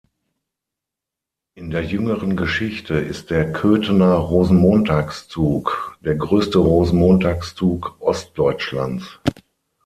In der jüngeren Geschichte ist der Köthener Rosenmontagszug der größte Rosenmontagszug Ostdeutschlands.